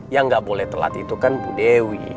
yang gak boleh telat itu kan bu dewi